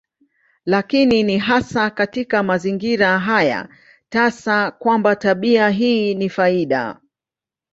Lakini ni hasa katika mazingira haya tasa kwamba tabia hii ni faida.